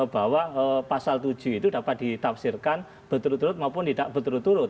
bahwa pasal tujuh itu dapat ditafsirkan berturut turut maupun tidak berturut turut